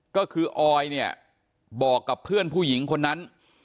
ก็คือออยเนี่ยบอกกับเพื่อนผู้หญิงคนนั้น